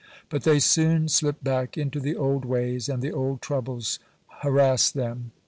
(92) But they soon slipped back into the old ways, and the old troubles harassed them.